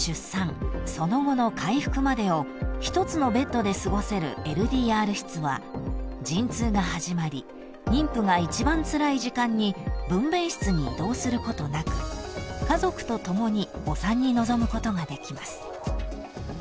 その後の回復までを一つのベッドで過ごせるＬＤＲ室は陣痛が始まり妊婦が一番つらい時間に分娩室に移動することなく家族と共にお産に臨むことができます］